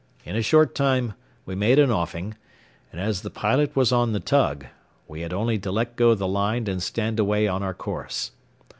In a short time we made an offing, and as the pilot was on the tug, we had only to let go the line and stand away on our course.